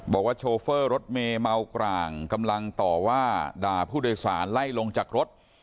โชเฟอร์รถเมเมากร่างกำลังต่อว่าด่าผู้โดยสารไล่ลงจากรถ